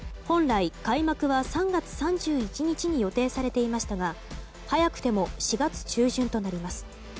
本来、開幕は３月３１日に予定されていましたが早くても４月中旬となります。